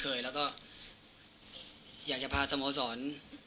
กันเลยนะครับก็คุ้นเคยแล้วก็อยากจะพาสโมสร